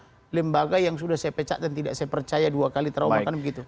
ada lembaga yang sudah saya pecat dan tidak saya percaya dua kali trauma kan begitu